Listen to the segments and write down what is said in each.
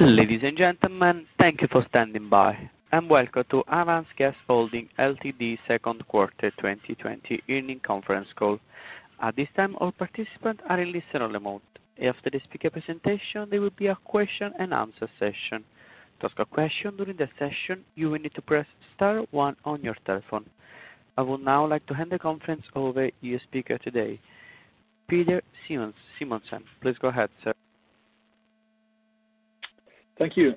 Ladies and gentlemen, thank you for standing by and welcome to Avance Gas Holding Ltd's second quarter 2020 earnings conference call. At this time, all participants are in listen-only mode. After the speaker presentation, there will be a question-and-answer session. To ask a question during that session, you will need to press star one on your telephone. I would now like to hand the conference over to your speaker today, Peder Simonsen. Please go ahead, sir. Thank you.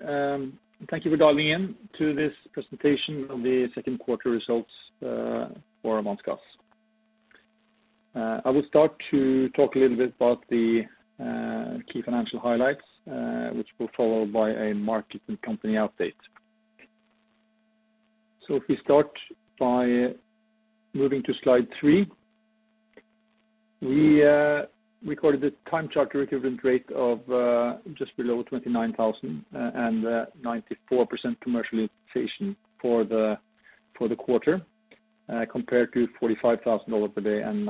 Thank you for dialing in to this presentation of the second quarter results for Avance Gas. I will start to talk a little bit about the key financial highlights, which will be followed by a market and company update. If we start by moving to slide three, we recorded a time charter equivalent rate of just below $29,000 and 94% commercial utilization for the quarter compared to $45,000 per day and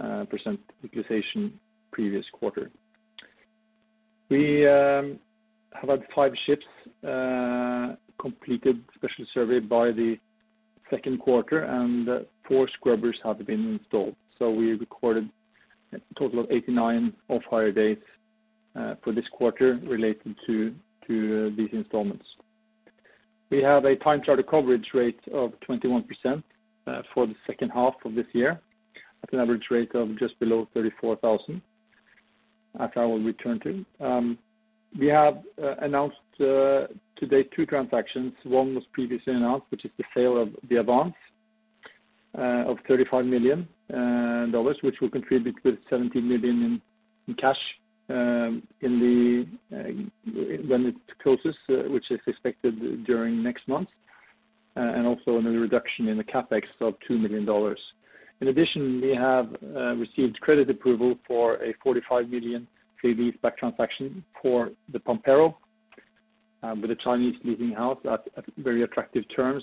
97% utilization previous quarter. We have had five ships completed special survey by the second quarter, and four scrubbers have been installed. We recorded a total of 89 off-hire days for this quarter relating to these installments. We have a time charter coverage rate of 21% for the second half of this year at an average rate of just below $34,000, as I will return to. We have announced to date two transactions. One was previously announced, which is the sale of the Avance of $35 million, which will contribute with $17 million in cash when it closes, which is expected during next month, and also another reduction in the CapEx of $2 million. In addition, we have received credit approval for a $45 million sale leaseback transaction for the Pampero with a Chinese leasing house at very attractive terms,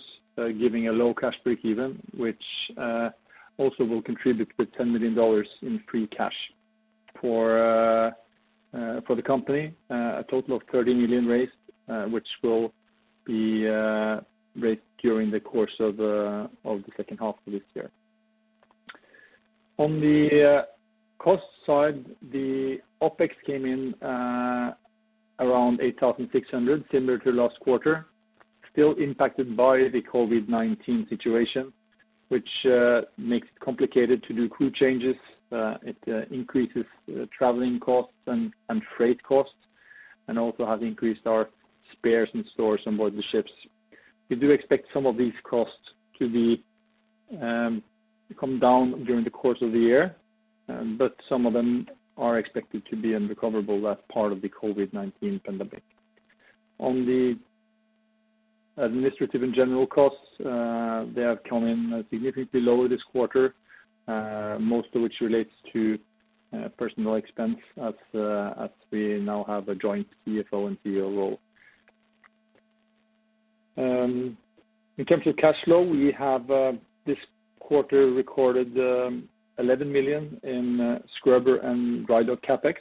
giving a low cash break-even, which also will contribute with $10 million in free cash for the company. A total of $30 million raised, which will be raised during the course of the second half of this year. On the cost side, the OpEx came in around $8,600, similar to last quarter, still impacted by the COVID-19 situation, which makes it complicated to do crew changes. It increases traveling costs and freight costs and also has increased our spares in stores onboard the ships. We do expect some of these costs to come down during the course of the year, but some of them are expected to be unrecoverable as part of the COVID-19 pandemic. On the administrative and general costs, they have come in significantly lower this quarter, most of which relates to personal expense as we now have a joint CFO and COO. In terms of cash flow, we have this quarter recorded $11 million in scrubber and drydock CapEx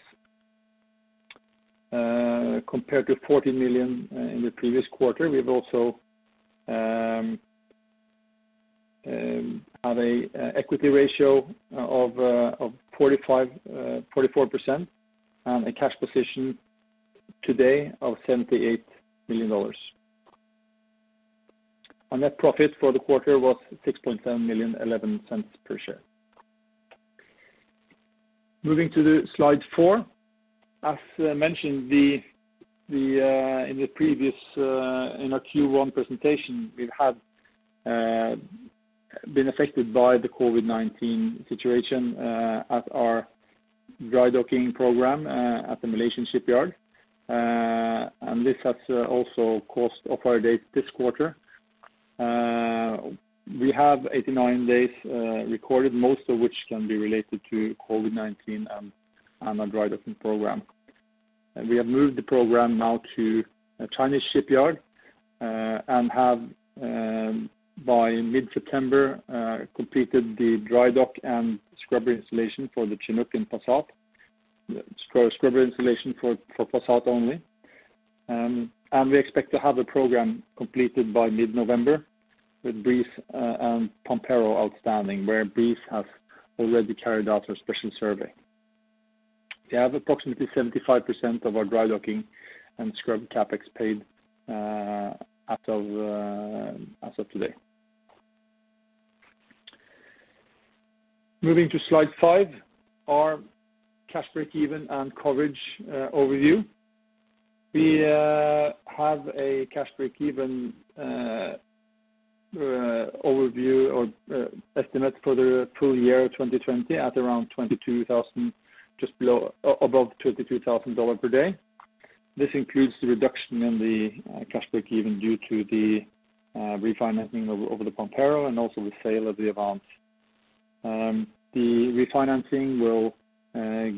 compared to $14 million in the previous quarter. We have also have a equity ratio of 44% and a cash position today of $78 million. Our net profit for the quarter was $6.7 million, $0.11 per share. Moving to the slide four. As mentioned in our Q1 presentation, we have been affected by the COVID-19 situation at our drydocking program at the Malaysian shipyard. This has also caused off-hire days this quarter. We have 89 days recorded, most of which can be related to COVID-19 and our drydocking program. We have moved the program now to a Chinese shipyard and have by mid-September completed the drydock and scrubber installation for the Chinook and Passat, scrubber installation for Passat only. We expect to have the program completed by mid-November with Breeze and Pampero outstanding, where Breeze has already carried out a special survey. We have approximately 75% of our drydocking and scrub CapEx paid as of today. Moving to slide five, our cash break-even and coverage overview. We have a cash break-even overview or estimate for the full year 2020 at around $22,000, just above $22,000 per day. This includes the reduction in the cash break-even due to the refinancing over the Pampero and also the sale of the Avance. The refinancing will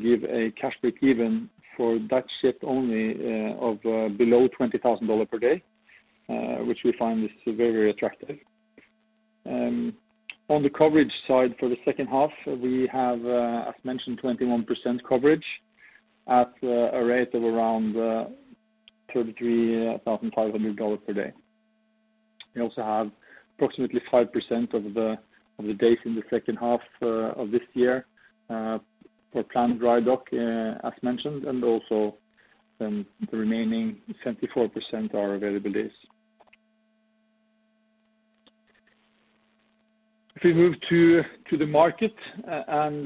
give a cash break-even for that ship only of below $20,000 per day, which we find is very attractive. On the coverage side for the second half, we have, as mentioned, 21% coverage at a rate of around $33,500 per day. We also have approximately 5% of the days in the second half of this year for planned dry dock, as mentioned, and also the remaining 74% are available days. If we move to the market and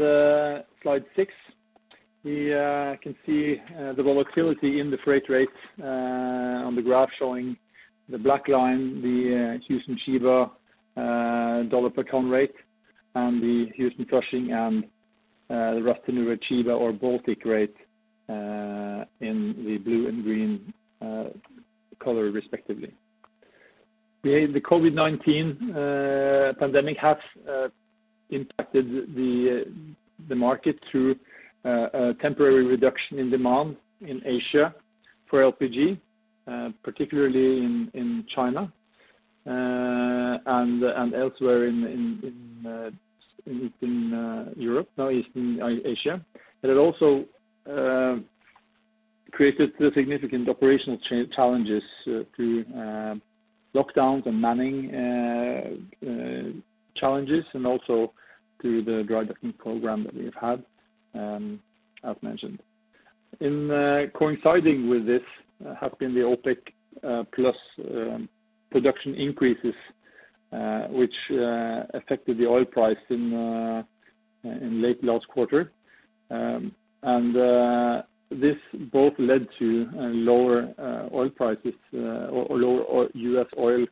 slide six, we can see the volatility in the freight rates on the graph showing the black line, the Houston-Chiba dollar per ton rate and the Houston-Flushing and the Ras Tanura-Chiba or Baltic rate in the blue and green color respectively. The COVID-19 pandemic has impacted the market through a temporary reduction in demand in Asia for LPG, particularly in China and elsewhere in Asia. It also created significant operational challenges through lockdowns and manning challenges, and also through the dry docking program that we have had, as mentioned. Coinciding with this has been the OPEC+ production increases which affected the oil price late last quarter. This both led to lower oil prices or lower U.S. oil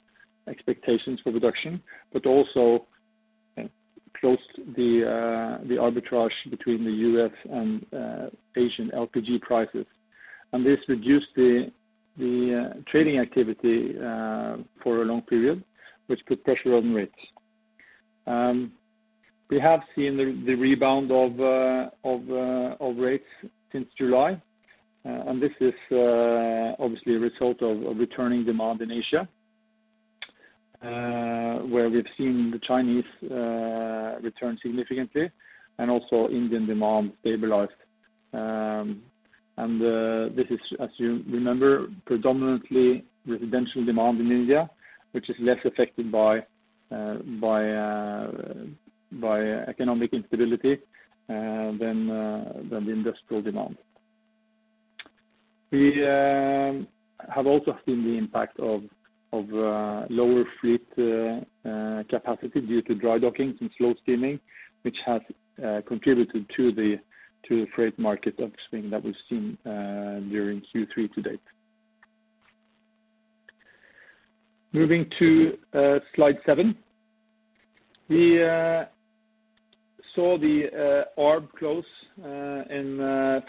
expectations for production, but also closed the arbitrage between the U.S. and Asian LPG prices. This reduced the trading activity for a long period, which put pressure on rates. We have seen the rebound of rates since July. This is obviously a result of returning demand in Asia, where we've seen the Chinese return significantly and also Indian demand stabilized. This is, as you remember, predominantly residential demand in India, which is less affected by economic instability than the industrial demand. We have also seen the impact of lower fleet capacity due to dry docking and slow steaming, which has contributed to the freight market upswing that we've seen during Q3 to date. Moving to slide seven. We saw the arb close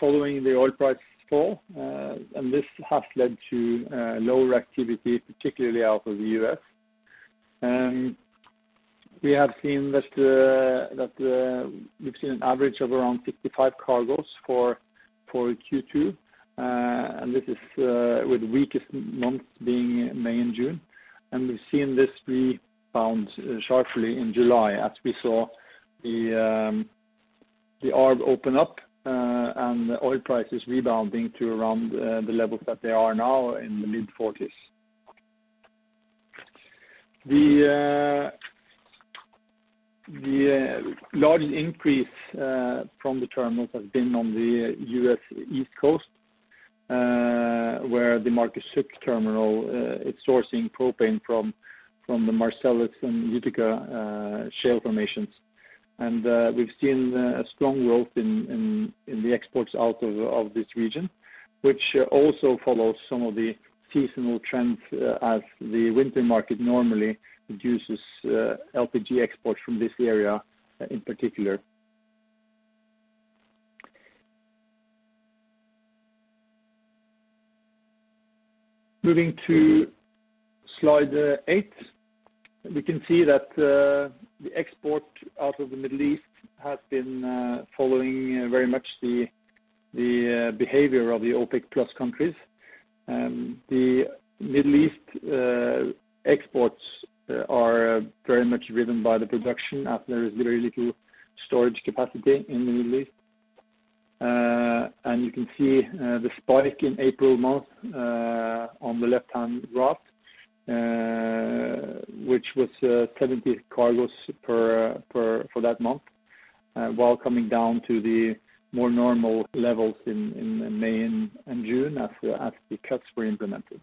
following the oil price fall. This has led to lower activity, particularly out of the U.S. We have seen an average of around 55 cargos for Q2, and this is with the weakest months being May and June. We've seen this rebound sharply in July as we saw the arb open up and oil prices rebounding to around the levels that they are now in the mid-40s. The largest increase from the terminals has been on the U.S. East Coast, where the Marcus Hook Terminal is sourcing propane from the Marcellus and Utica shale formations. We've seen a strong growth in the exports out of this region, which also follows some of the seasonal trends as the winter market normally reduces LPG exports from this area in particular. Moving to slide eight. We can see that the export out of the Middle East has been following very much the behavior of the OPEC+ countries. The Middle East exports are very much driven by the production as there is very little storage capacity in the Middle East. You can see the spike in April month on the left-hand graph which was 70 cargos for that month, while coming down to the more normal levels in May and June as the cuts were implemented.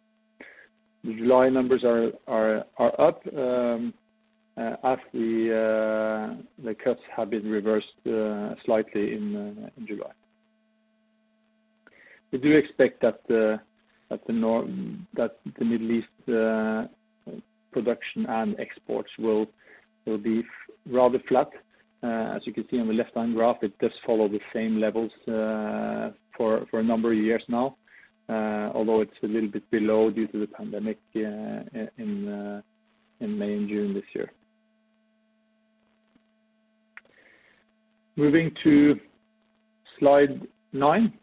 The July numbers are up as the cuts have been reversed slightly in July. We do expect that the Middle East production and exports will be rather flat. As you can see on the left-hand graph, it does follow the same levels for a number of years now although it's a little bit below due to the pandemic in May and June this year. Moving to slide nine.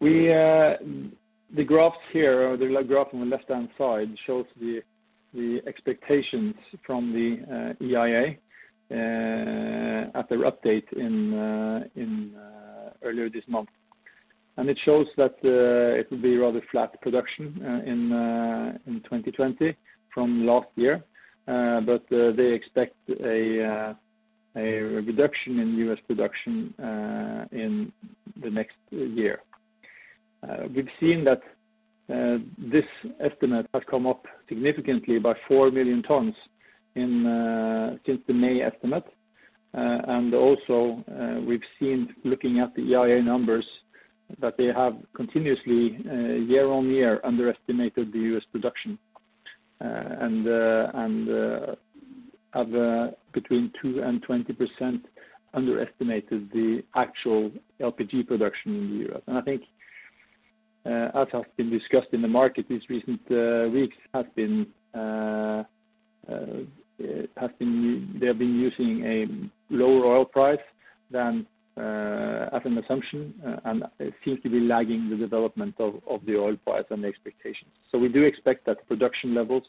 The graph here, the graph on the left-hand side, shows the expectations from the EIA at their update earlier this month. It shows that it will be rather flat production in 2020 from last year, but they expect a reduction in U.S. production in the next year. We've seen that this estimate has come up significantly, by 4 million tons, since the May estimate. Also we've seen, looking at the EIA numbers, that they have continuously, year-on-year, underestimated the U.S. production, and have between 2% and 20% underestimated the actual LPG production in the U.S. I think, as has been discussed in the market these recent weeks, they have been using a lower oil price as an assumption, and seem to be lagging the development of the oil price and the expectations. We do expect that production levels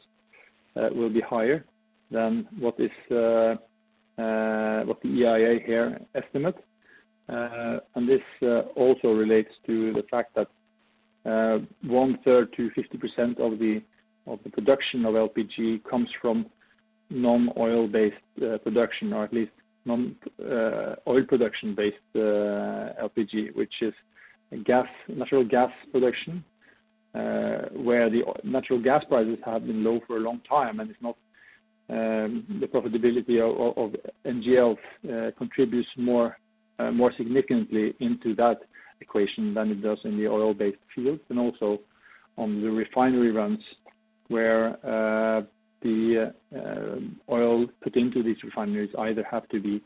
will be higher than what the EIA here estimates. This also relates to the fact that one third to 50% of the production of LPG comes from non-oil based production, or at least non-oil production-based LPG, which is natural gas production, where the natural gas prices have been low for a long time, and the profitability of NGL contributes more significantly into that equation than it does in the oil-based fields, and also on the refinery runs, where the oil put into these refineries either have to be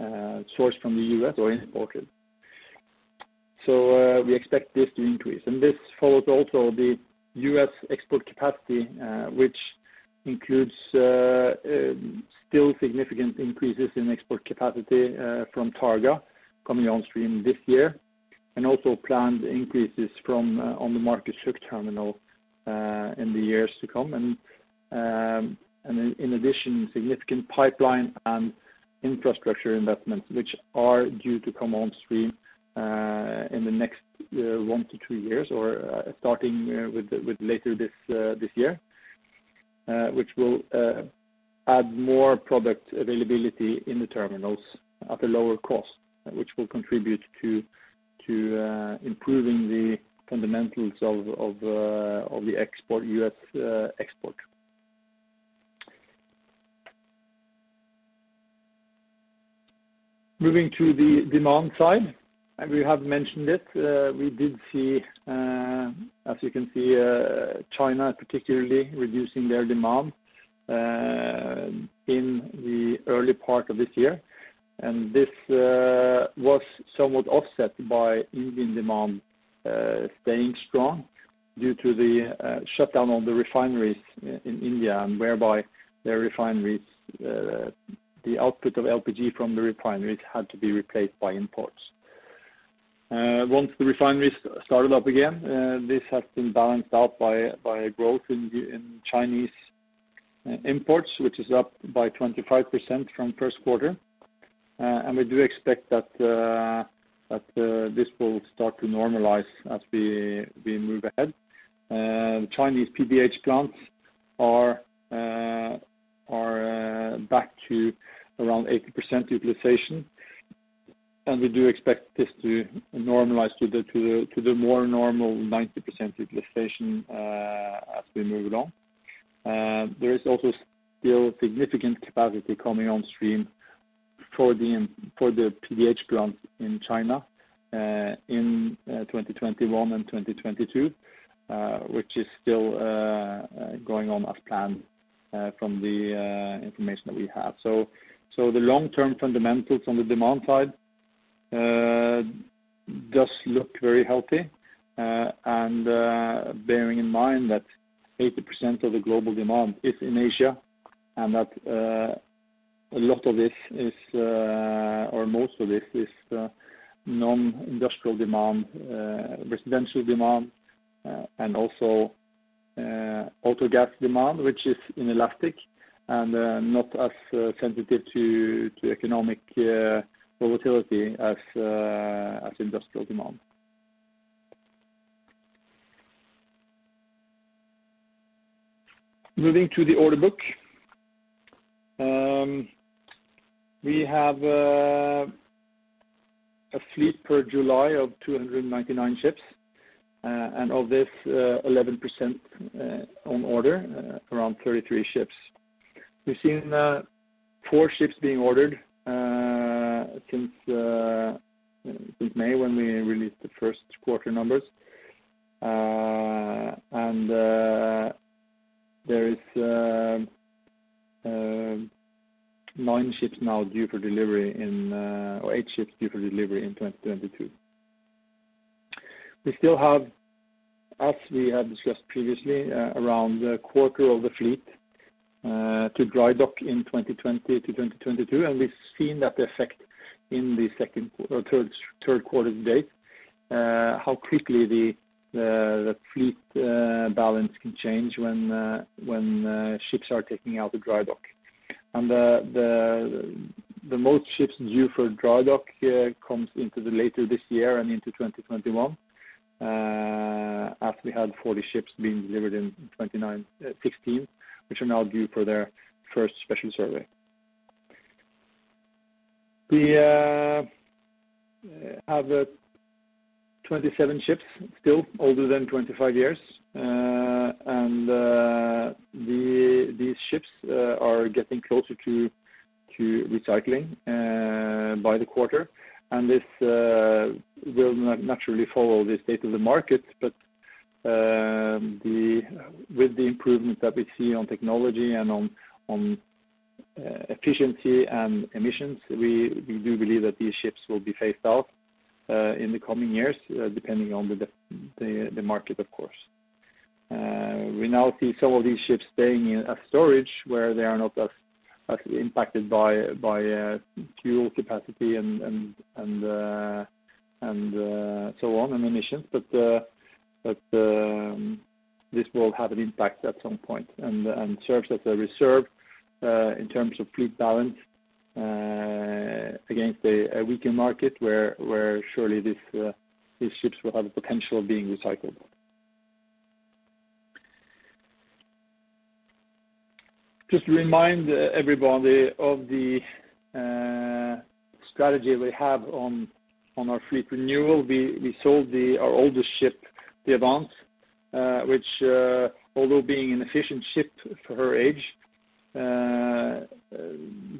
sourced from the U.S. or imported. We expect this to increase. This follows also the U.S. export capacity, which includes still significant increases in export capacity from Targa coming on stream this year, and also planned increases on the Marcus Hook Terminal in the years to come. In addition, significant pipeline and infrastructure investments, which are due to come on stream in the next one to two years, or starting with later this year, which will add more product availability in the terminals at a lower cost, which will contribute to improving the fundamentals of the U.S. export. Moving to the demand side, we have mentioned it, we did see, as you can see, China particularly reducing their demand in the early part of this year. This was somewhat offset by Indian demand staying strong due to the shutdown of the refineries in India, and whereby the output of LPG from the refineries had to be replaced by imports. Once the refineries started up again, this has been balanced out by growth in Chinese imports, which is up by 25% from first quarter. We do expect that this will start to normalize as we move ahead. Chinese PDH plants are back to around 80% utilization, and we do expect this to normalize to the more normal 90% utilization as we move along. There is also still significant capacity coming on stream for the PDH plants in China in 2021 and 2022, which is still going on as planned from the information that we have. The long-term fundamentals on the demand side does look very healthy. Bearing in mind that 80% of the global demand is in Asia, and that a lot of this is, or most of this is non-industrial demand, residential demand, and also auto gas demand, which is inelastic and not as sensitive to economic volatility as industrial demand. Moving to the order book. We have a fleet per July of 299 ships. Of this, 11% on order, around 33 ships. We've seen four ships being ordered since May, when we released the first quarter numbers. There is eight ships now due for delivery in 2022. We still have, as we have discussed previously, around a quarter of the fleet to dry dock in 2020 to 2022, and we've seen that effect in the third quarter to date, how quickly the fleet balance can change when ships are taking out the dry dock. The most ships due for dry dock here comes into the later this year and into 2021, as we had 40 ships being delivered in 2016, which are now due for their first special survey. We have 27 ships still older than 25 years. These ships are getting closer to recycling by the quarter and this will naturally follow the state of the market, but with the improvements that we see on technology and on efficiency and emissions, we do believe that these ships will be phased out in the coming years depending on the market, of course. We now see some of these ships staying in a storage where they are not as impacted by fuel capacity and so on, and emissions, but this will have an impact at some point and serves as a reserve in terms of fleet balance against a weaker market where surely these ships will have a potential of being recycled. Just to remind everybody of the strategy we have on our fleet renewal. We sold our oldest ship, the Avance, which although being an efficient ship for her age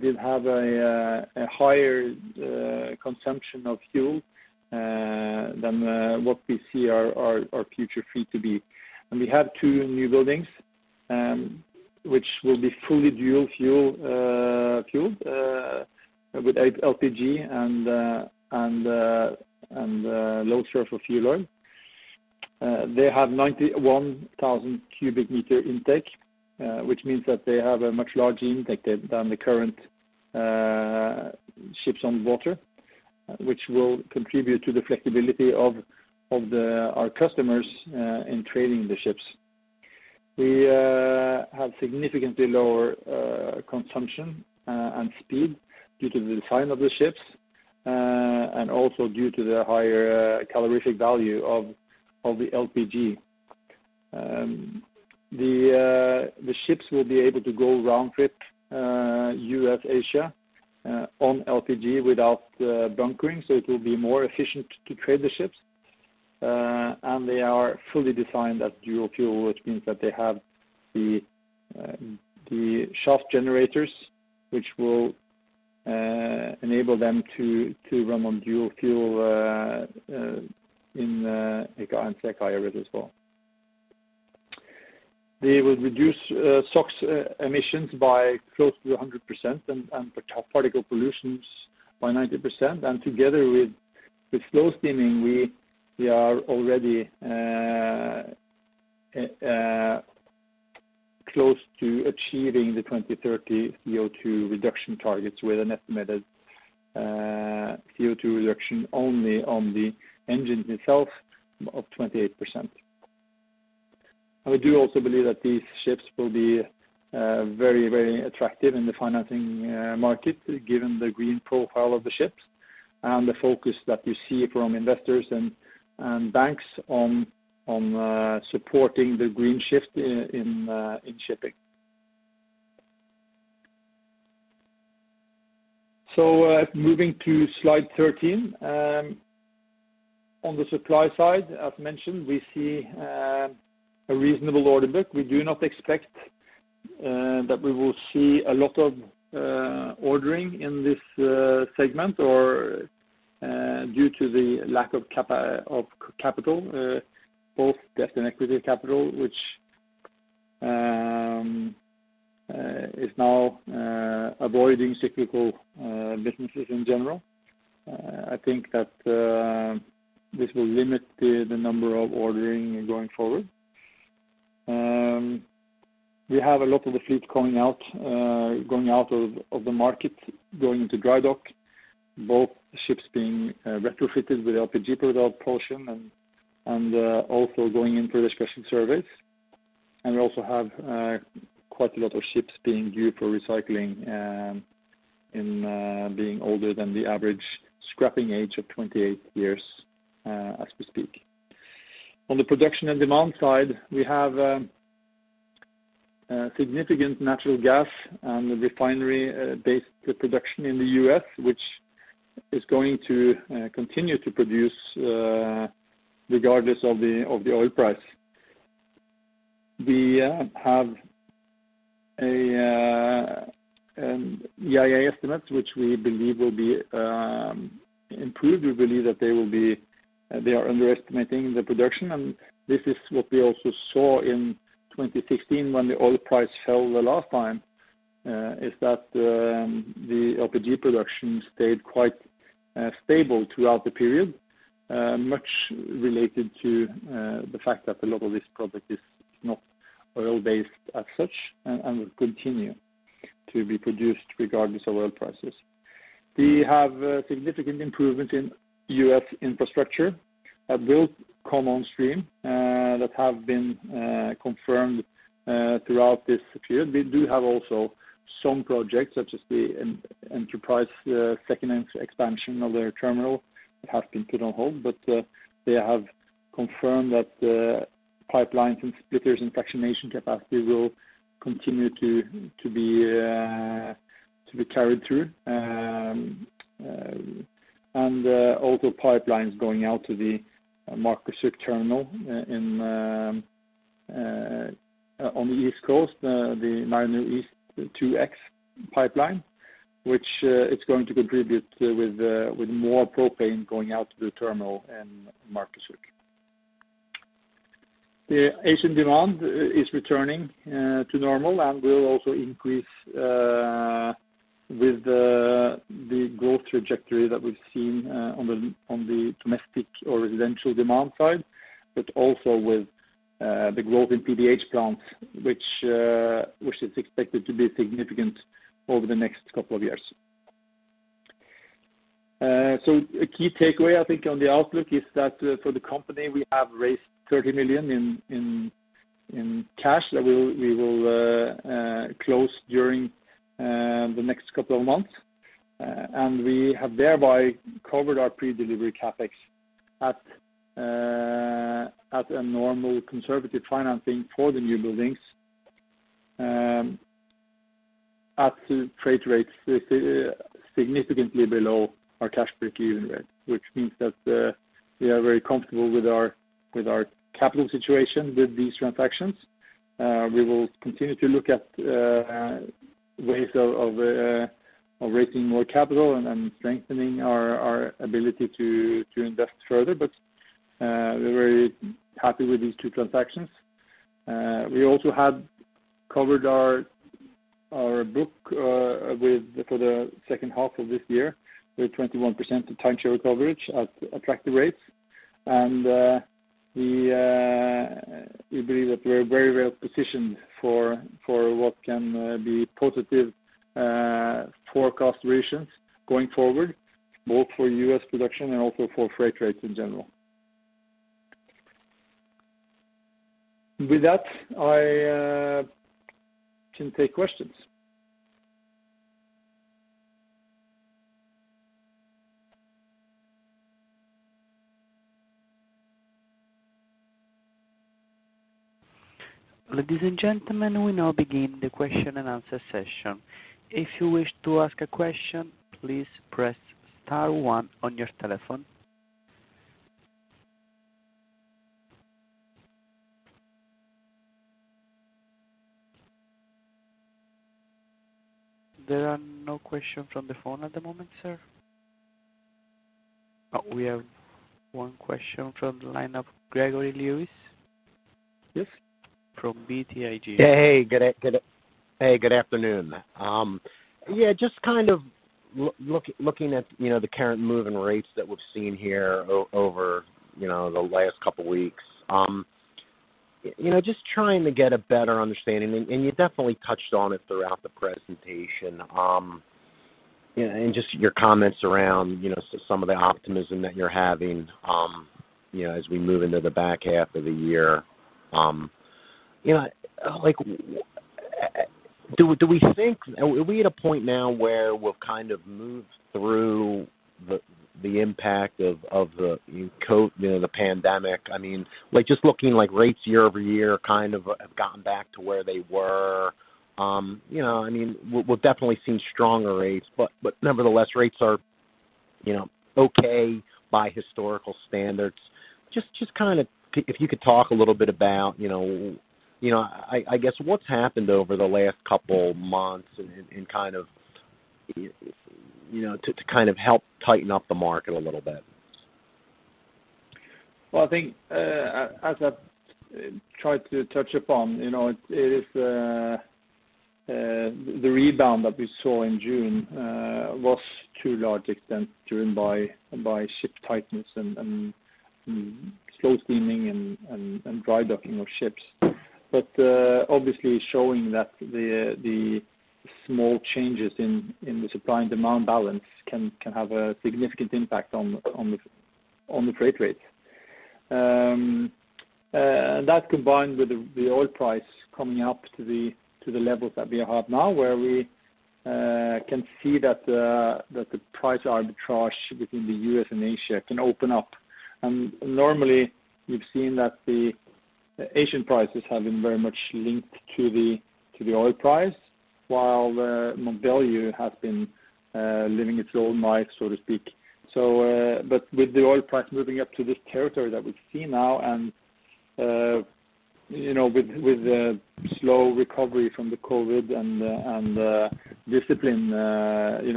did have a higher consumption of fuel than what we see our future fleet to be. We have two new buildings which will be fully dual fueled with LPG and low sulfur fuel oil. They have 91,000 cu m intake which means that they have a much larger intake than the current ships on water, which will contribute to the flexibility of our customers in trading the ships. We have significantly lower consumption and speed due to the design of the ships, and also due to the higher calorific value of the LPG. The ships will be able to go round trip, U.S., Asia on LPG without bunkering, it will be more efficient to trade the ships. They are fully designed as dual fuel, which means that they have the shaft generators, which will enable them to run on dual fuel in eco and slow steaming as well. They will reduce SOx emissions by close to 100% and particle pollutions by 90%. Together with slow steaming we are already close to achieving the 2030 CO₂ reduction targets with an estimated CO₂ reduction only on the engine itself of 28%. We do also believe that these ships will be very attractive in the financing market given the green profile of the ships and the focus that we see from investors and banks on supporting the green shift in shipping. Moving to slide 13. On the supply side, as mentioned, we see a reasonable order book. We do not expect that we will see a lot of ordering in this segment due to the lack of capital both debt and equity capital, which is now avoiding cyclical businesses in general. I think that this will limit the number of ordering going forward. We have a lot of the fleet going out of the market, going into dry dock. Both ships being retrofitted with LPG propulsion and also going in for their special surveys. We also have quite a lot of ships being due for recycling and being older than the average scrapping age of 28 years as we speak. On the production and demand side, we have a significant natural gas and refinery based production in the U.S., which is going to continue to produce regardless of the oil price. We have EIA estimates which we believe will be improved. We believe that they are underestimating the production and this is what we also saw in 2016 when the oil price fell the last time, that the LPG production stayed quite stable throughout the period, much related to the fact that a lot of this product is not oil-based as such and will continue to be produced regardless of oil prices. We have significant improvement in U.S. infrastructure, both come on stream that have been confirmed throughout this period. We do have also some projects, such as the Enterprise second expansion of their terminal, that have been put on hold, but they have confirmed that the pipelines and splitters and fractionation capacity will continue to be carried through. Also pipelines going out to the Marcus Hook Terminal on the East Coast, the Mariner East 2X pipeline, which is going to contribute with more propane going out to the terminal in Marcus Hook. The Asian demand is returning to normal and will also increase with the growth trajectory that we've seen on the domestic or residential demand side, but also with the growth in PDH plants, which is expected to be significant over the next couple of years. A key takeaway, I think, on the outlook is that for the company, we have raised $30 million in cash that we will close during the next couple of months. We have thereby covered our pre-delivery CapEx at a normal conservative financing for the new buildings at freight rates significantly below our cash break-even rate, which means that we are very comfortable with our capital situation with these transactions. We will continue to look at ways of raising more capital and strengthening our ability to invest further, but we are very happy with these two transactions. We also have covered our book for the second half of this year with 21% time charter coverage at attractive rates. We believe that we are very well-positioned for what can be positive forecast durations going forward, both for U.S. production and also for freight rates in general. With that, I can take questions. Ladies and gentlemen, we will now begin the question-and-answer session. If you wish to ask a question, please press star one on your telephone. There are no questions from the phone at the moment, sir. Oh, we have one question from the line of Gregory Lewis. Yes. From BTIG. Hey, good afternoon. Yeah, just kind of looking at the current moving rates that we've seen here over the last couple of weeks. Just trying to get a better understanding. You definitely touched on it throughout the presentation. Just your comments around some of the optimism that you're having as we move into the back half of the year. Are we at a point now where we've kind of moved through the impact of the pandemic? I mean, just looking like rates year-over-year kind of have gotten back to where they were. I mean, we're definitely seeing stronger rates. Nevertheless, rates are okay by historical standards. If you could talk a little bit about what's happened over the last couple months to kind of help tighten up the market a little bit. Well, I think as I've tried to touch upon, the rebound that we saw in June was to a large extent driven by ship tightness and slow steaming and dry docking of ships. Obviously showing that the small changes in the supply and demand balance can have a significant impact on the freight rates. That combined with the oil price coming up to the levels that we have now, where we can see that the price arbitrage between the U.S. and Asia can open up. Normally, we've seen that the Asian prices have been very much linked to the oil price, while the value has been living its own life, so to speak. With the oil price moving up to this territory that we see now and with the slow recovery from the COVID-19 and discipline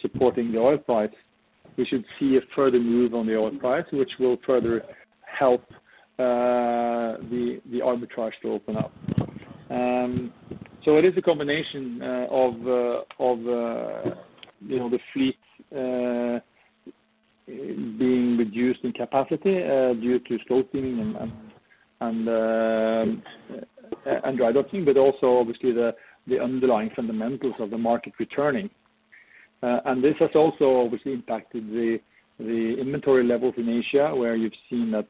supporting the oil price. We should see a further move on the oil price, which will further help the arbitrage to open up. It is a combination of the fleet being reduced in capacity due to scrubbing and dry docking, but also obviously the underlying fundamentals of the market returning. This has also obviously impacted the inventory levels in Asia, where you've seen that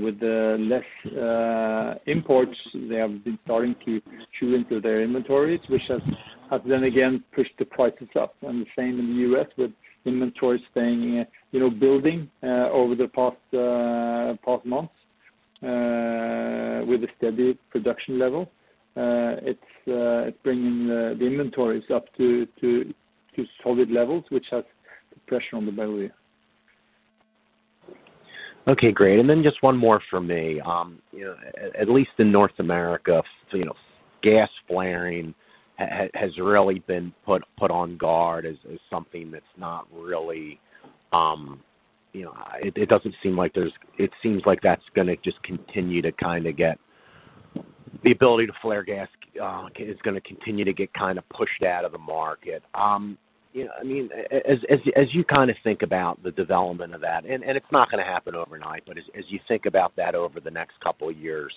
with the less imports, they have been starting to chew into their inventories, which has then again pushed the prices up. The same in the U.S. with inventories building over the past months, with a steady production level. It's bringing the inventories up to solid levels, which has the pressure on the buy-side. Okay, great. Just one more from me. At least in North America, gas flaring has really been put on guard. It seems like the ability to flare gas is going to continue to get pushed out of the market. As you think about the development of that, it's not going to happen overnight, as you think about that over the next couple of years,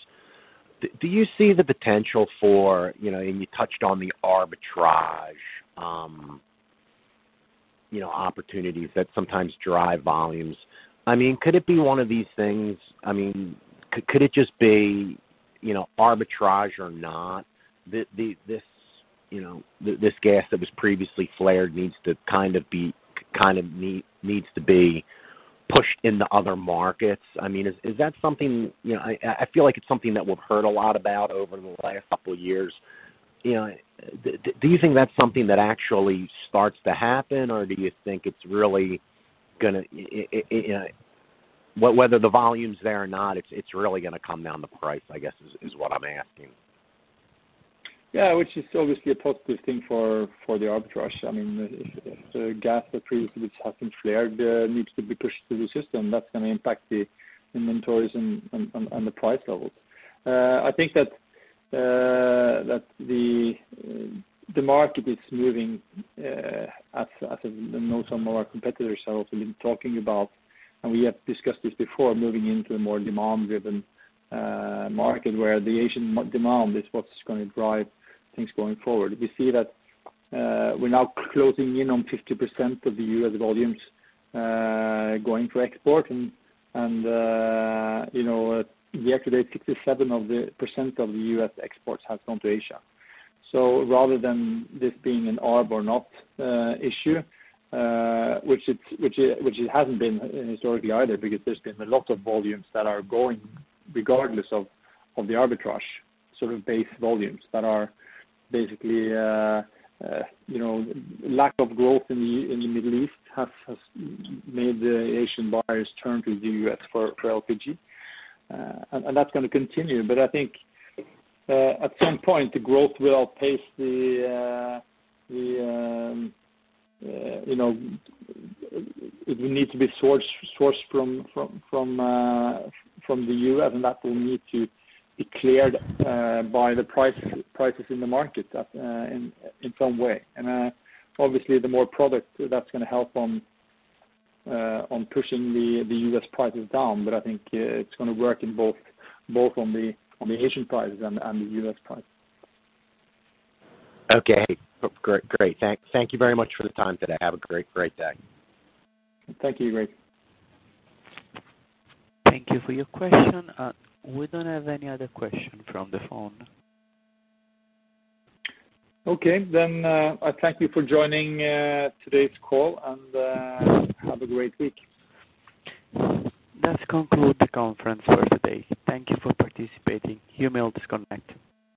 do you see the potential for, you touched on the arbitrage opportunities that sometimes drive volumes? Could it be one of these things? Could it just be arbitrage or not? This gas that was previously flared needs to be pushed into other markets. I feel like it's something that we've heard a lot about over the last couple of years. Do you think that's something that actually starts to happen, or do you think it's whether the volume's there or not, it's really going to come down to price, I guess, is what I'm asking? Yeah, which is obviously a positive thing for the arbitrage. If the gas that previously has been flared needs to be pushed through the system, that's going to impact the inventories and the price levels. I think that the market is moving, as I know some of our competitors have also been talking about, and we have discussed this before, moving into a more demand-driven market where the Asian demand is what's going to drive things going forward. We see that we're now closing in on 50% of the U.S. volumes going to export, and year-to-date, 67% of the U.S. exports has gone to Asia. Rather than this being an arb or not issue, which it hasn't been historically either because there's been a lot of volumes that are going regardless of the arbitrage, sort of base volumes that are basically lack of growth in the Middle East has made the Asian buyers turn to the U.S. for LPG. That's going to continue, but I think at some point, the growth will outpace. It will need to be sourced from the U.S., and that will need to be cleared by the prices in the market in some way. Obviously the more product, that's going to help on pushing the U.S. prices down. I think it's going to work both on the Asian prices and the U.S. prices. Okay. Great. Thank you very much for the time today. Have a great day. Thank you, Greg. Thank you for your question. We don't have any other question from the phone. Okay. I thank you for joining today's call, and have a great week. That concludes the conference for today. Thank you for participating. You may all disconnect.